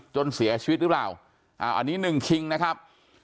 จนเสียชีวิตหรือเปล่าอันนี้หนึ่งคิงนะครับ